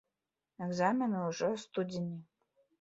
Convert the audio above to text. Экзамены ўжо ў студзені.